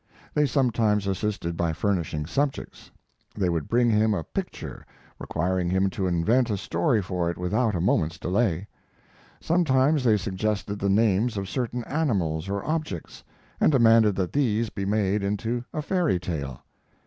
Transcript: They sometimes assisted by furnishing subjects. They would bring him a picture, requiring him to invent a story for it without a moment's delay. Sometimes they suggested the names of certain animals or objects, and demanded that these be made into a fairy tale.